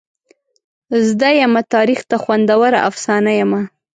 زده یمه تاریخ ته خوندوره افسانه یمه.